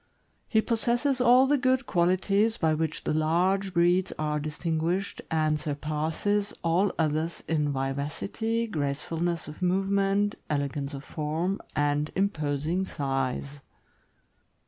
He possesses all the good qualities by which the large breeds are distinguished, and surpasses all others in vivacity, gracefulness of movement, elegance of form, and imposing size.